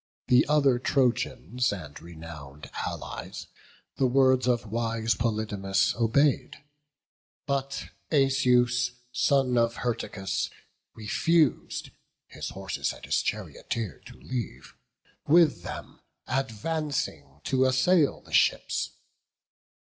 The other Trojans and renown'd Allies The words of wise Polydamas obey'd: But Asius, son of Hyrtacus, refus'd His horses and his charioteer to leave, With them advancing to assail the ships.